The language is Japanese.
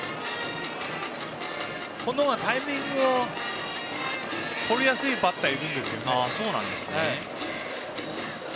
その方がタイミングとりやすいバッターがいるんです。